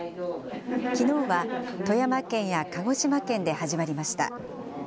きのうは富山県や鹿児島県で始まりました。